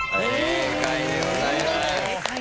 正解でございます。